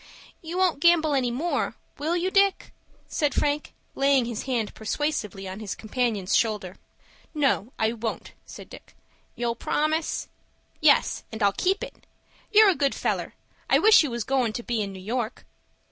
"You won't gamble any more,—will you, Dick?" said Frank, laying his hand persuasively on his companion's shoulder. "No, I won't," said Dick. "You'll promise?" "Yes, and I'll keep it. You're a good feller. I wish you was goin' to be in New York."